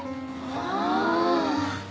ああ！